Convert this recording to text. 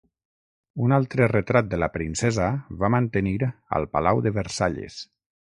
Un altre retrat de la princesa va mantenir al Palau de Versalles.